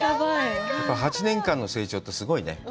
やっぱり８年間の成長ってすごいね。